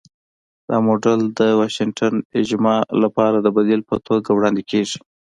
دا موډل د 'واشنګټن اجماع' لپاره د بدیل په توګه وړاندې کېږي.